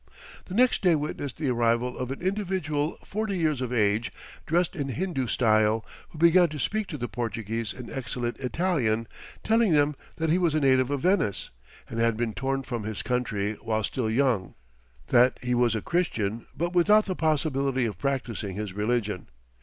The next day witnessed the arrival of an individual forty years of age, dressed in Hindoo style, who began to speak to the Portuguese in excellent Italian, telling them that he was a native of Venice, and had been torn from his country while still young, that he was a Christian, but without the possibility of practising his religion.